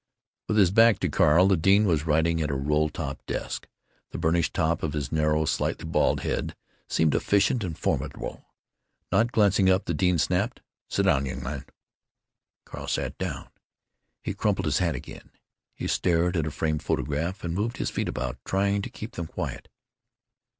With his back to Carl, the dean was writing at a roll top desk. The burnished top of his narrow, slightly bald head seemed efficient and formidable. Not glancing up, the dean snapped, "Sit down, young man." Carl sat down. He crumpled his hat again. He stared at a framed photograph, and moved his feet about, trying to keep them quiet.